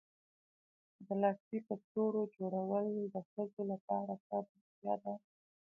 د لاسي کڅوړو جوړول د ښځو لپاره ښه بوختیا ده.